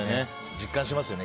実感しますよね。